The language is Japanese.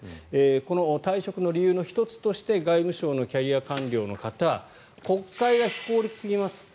この退職の理由の１つとして外務省のキャリア官僚の方国会が非効率すぎます